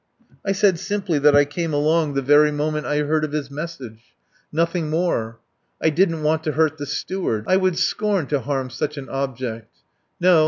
"I said simply that I came along the very moment I heard of his message. Nothing more. I didn't want to hurt the Steward. I would scorn to harm such an object. No.